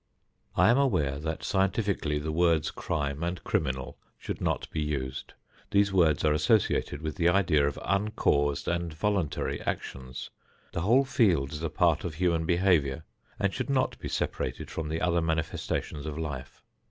I am aware that scientifically the words "crime" and "criminal" should not be used. These words are associated with the idea of uncaused and voluntary actions. The whole field is a part of human behavior and should not be separated from the other manifestations of life.